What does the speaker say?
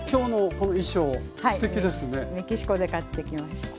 これメキシコで買ってきました。